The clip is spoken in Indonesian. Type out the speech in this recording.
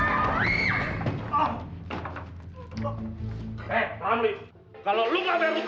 eh rupanya practices bak flavor lah